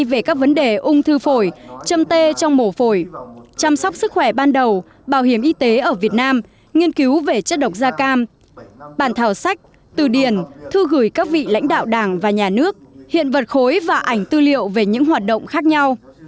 về các vấn đề ung thư phổi châm tê trong mổ phổi chăm sóc sức khỏe ban đầu bảo hiểm y tế ở việt nam nghiên cứu về chất độc da cam bản thảo sách từ điển thư gửi các vị lãnh đạo đảng và nhà nước hiện vật khối và ảnh tư liệu về những hoạt động khác nhau